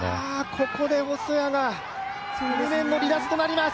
ここで細谷が、無念の離脱となります。